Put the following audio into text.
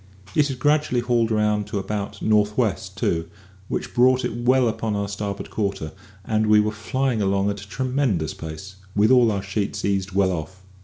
It had gradually hauled round to about north west, too, which brought it well upon our starboard quarter, and we were flying along at a tremendous pace, with all our sheets eased well off.